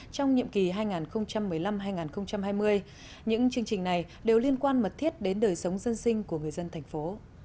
trong nhiệm kỳ hai nghìn một mươi năm hai nghìn hai mươi những chương trình này đều liên quan mật thiết đến đời sống dân sinh của người dân thành phố